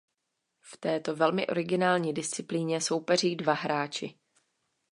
V této velmi originální disciplíně soupeří dva hráči.